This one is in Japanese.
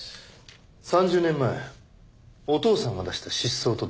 ３０年前お父さんが出した失踪届。